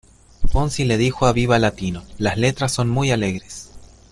Fonsi le dijo a Viva Latino: "Las letras son muy alegres.